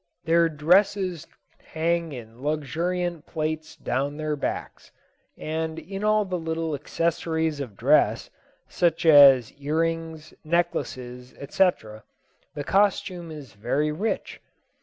Their tresses hang in luxuriant plaits down their backs: and in all the little accessories of dress, such as ear rings, necklaces, etc., the costume is very rich.